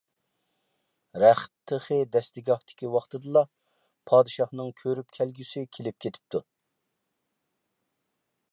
رەخت تېخى دەستىگاھتىكى ۋاقتىدىلا، پادىشاھنىڭ كۆرۈپ كەلگۈسى كېلىپ كېتىپتۇ.